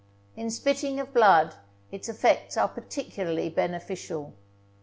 In spitting of blood its effects are particularly beneficial.